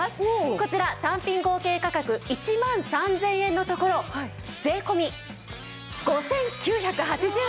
こちら単品合計価格１万３０００円のところ税込５９８０円です。